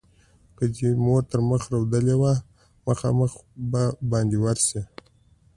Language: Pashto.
که دې مور تر مخ رودلې وه؛ مخامخ به باندې ورشې.